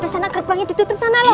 kesana gerbangnya ditutup sana loh